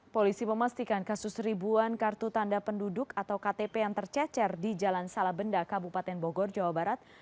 polisi memastikan kasus ribuan kartu tanda penduduk atau ktp yang tercecer di jalan salabenda kabupaten bogor jawa barat